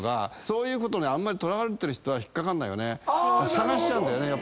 探しちゃうんだよね。